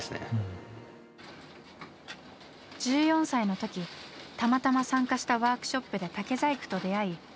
１４歳の時たまたま参加したワークショップで竹細工と出会い